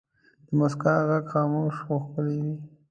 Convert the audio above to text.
د مسکا ږغ خاموش خو ښکلی وي.